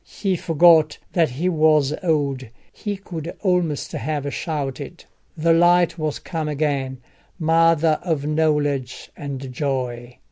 He forgot that he was old: he could almost have shouted. The light was come again, mother of knowledge and joy!